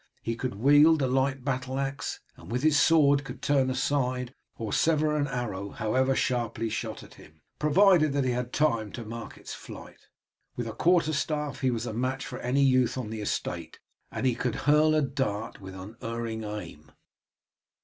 He could wield a light battle axe, and with his sword could turn aside or sever an arrow however sharply shot at him, provided that he had time to mark its flight. With a quarter staff he was a match for any youth on the estate, and he could hurl a dart with unerring aim.